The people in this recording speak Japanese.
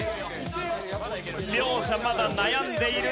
両者まだ悩んでいる。